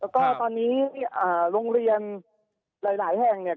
แล้วก็ตอนนี้โรงเรียนหลายแห่งเนี่ย